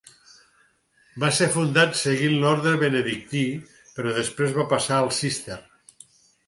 Va ser fundat seguint l'orde benedictí però després va passar al Cister.